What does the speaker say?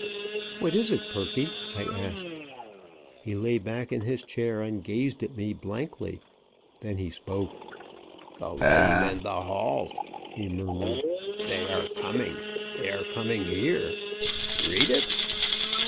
"What is it, Perky?" I asked. He lay back in his chair, and gazed at me blankly. Then he spoke. "The lame and the halt," he murmured. "They are coming. They are coming here. Read it?"